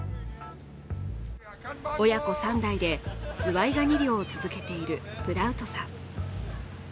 親子３代でズワイガニ漁を続けているプラウトさん